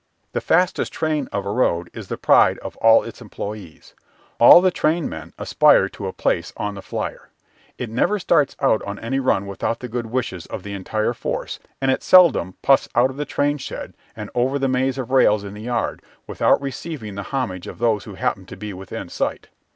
The fastest train of a road is the pride of all its employees; all the trainmen aspire to a place on the flyer. It never starts out on any run without the good wishes of the entire force, and it seldom puffs out of the train shed and over the maze of rails in the yard without receiving the homage of those who happen to be within sight.